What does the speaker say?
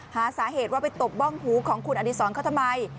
หาสาเหตุว่าไปตบบ้องหูของคุณอดีศรเขาทำไม